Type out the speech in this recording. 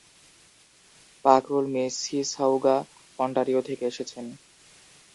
Pakrul Mississauga, Ontario থেকে এসেছেন।